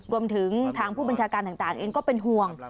รวมถึงทางผู้บัญชาการต่างเองก็เป็นห่วง